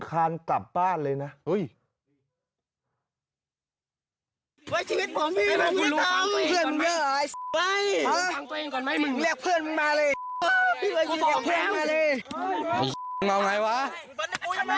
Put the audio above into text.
ประเภทประเภทประเภท